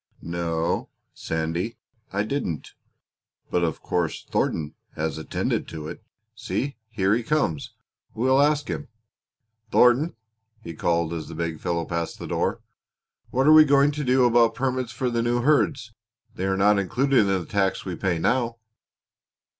"No, Sandy, I didn't; but of course Thornton has attended to it. See, here he comes. We will ask him. Thornton," he called, as the big fellow passed the door, "what are we going to do about permits for the new herds? They are not included in the tax we now pay."